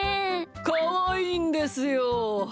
かわいいんですよ。